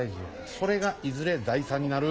それがいずれ財産になる。